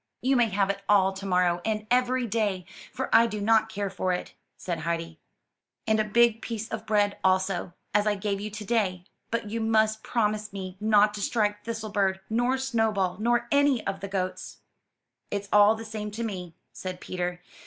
"You may have it all, to morrow and every day, for I do not care for it," said Heidi, "and a big piece 289 MY BOOK HOUSE of bread also, as I gave you to day; but you must promise me not to strike Thistlebird nor Snowball, nor any of the goats/* ''It's all the same to me/' said Peter.